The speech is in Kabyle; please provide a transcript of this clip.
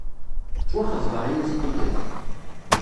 Ttwaxeḍbeɣ yiwet n tikkelt.